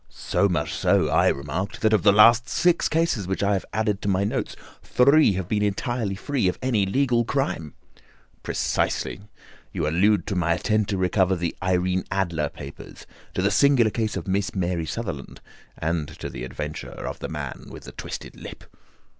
"So much so," I remarked, "that of the last six cases which I have added to my notes, three have been entirely free of any legal crime." "Precisely. You allude to my attempt to recover the Irene Adler papers, to the singular case of Miss Mary Sutherland, and to the adventure of the man with the twisted lip.